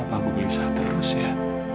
aku bisa terus ya